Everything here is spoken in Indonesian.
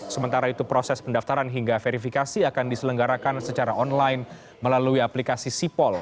sementara itu proses pendaftaran hingga verifikasi akan diselenggarakan secara online melalui aplikasi sipol